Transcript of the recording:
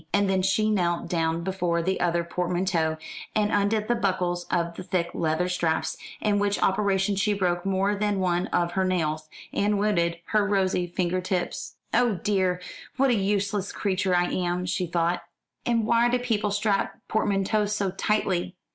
And then she knelt down before the other portmanteau, and undid the buckles of the thick leather straps, in which operation she broke more than one of her nails, and wounded her rosy finger tips. "Oh dear, what a useless creature I am," she thought; "and why do people strap portmanteaux so tightly?